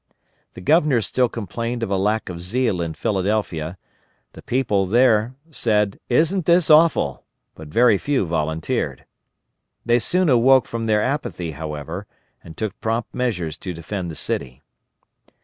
The Governor still complained of a lack of zeal in Philadelphia. The people there, said "Isn't this awful!" but very few volunteered. They soon awoke from their apathy, however, and took prompt measures to defend the city.